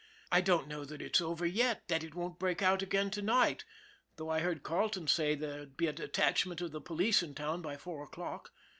I don't know that it's over yet, that it won't break out again to night ; though I heard Carleton say there'd be a detachment of the police in town by four o'clock.